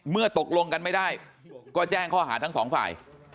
ตกลงกันไม่ได้ก็แจ้งข้อหาทั้งสองฝ่าย